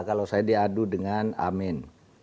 kalau saya diadu dengan amin